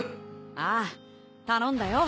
ああ頼んだよ。